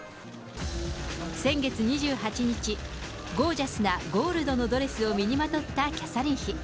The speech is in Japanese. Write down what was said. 先月２８日、ゴージャスなゴールドのドレスを身にまとったキャサリン妃。